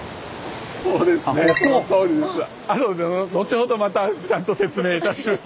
後ほどまたちゃんと説明いたします。